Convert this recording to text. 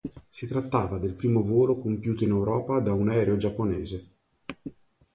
Si trattava del primo volo compiuto in Europa da un aereo giapponese.